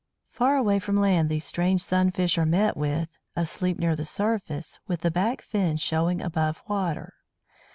Far away from land these strange Sunfish are met with, asleep near the surface, with the back fin showing above water.